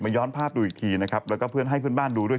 ย้อนภาพดูอีกทีนะครับแล้วก็เพื่อนให้เพื่อนบ้านดูด้วย